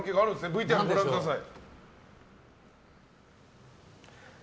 ＶＴＲご覧ください。